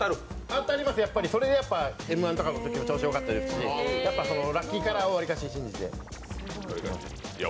当たります、それでＭ−１のときも調子よかったですし、ラッキーカラーをわりかし信じています。